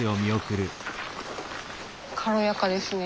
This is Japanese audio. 軽やかですね。